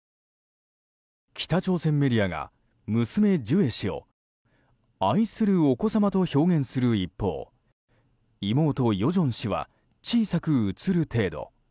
北朝鮮メディアが娘ジュエ氏を愛するお子様と表現する一方妹・与正氏は小さく映る程度。